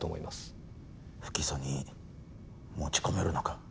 不起訴に持ち込めるのか？